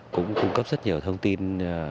cũng cung cấp rất nhiều thông tin